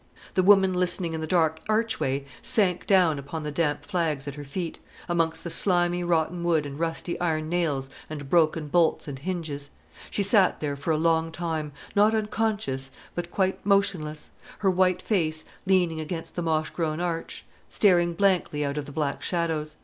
The woman listening in the dark archway sank down upon the damp flags at her feet, amongst the slimy rotten wood and rusty iron nails and broken bolts and hinges. She sat there for a long time, not unconscious, but quite motionless, her white face leaning against the moss grown arch, staring blankly out of the black shadows.